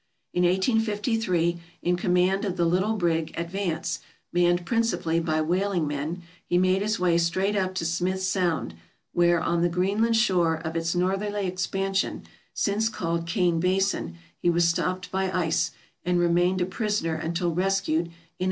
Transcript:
In 1853, in command of the little brig "Advance," manned principally by whaling men, he made his way straight up to Smith Sound, where, on the Greenland shore of its northerly expansion, since called M ISC ELLA NEO US 453 Kane Basin, he was stopped by ice and remained a prisoner until rescued in 1855.